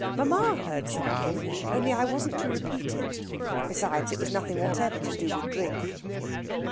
Mamma heard something. Only I wasn't to repeat it. Besides, it was nothing whatever to do with drink."